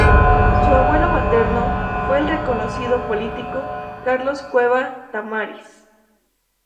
Su abuelo materno fue el reconocido político Carlos Cueva Tamariz.